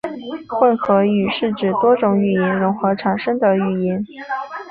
混合语是指多种语言融合产生的语言。